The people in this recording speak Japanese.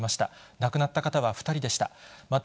亡くなった方は２人でした。